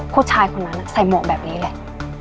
ผู้ชายคนนั้นใส่หมวกแบบนี้แหละ